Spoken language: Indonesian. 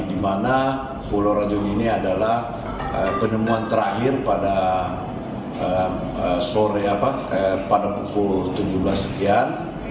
di mana pulau ranjung ini adalah penemuan terakhir pada pukul tujuh belas sekian